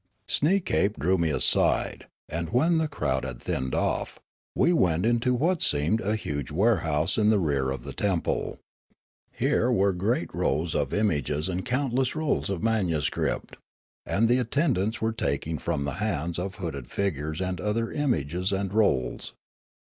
Siieekape drew me aside, and, when the crowd had thinned off, we went into what seemed a huge ware house in the rear of the temple. Here were great rows 228 Riallaro of images and countless rolls of manuscript ; and the attendants were taking from the hands of hooded fig ures other images and rolls.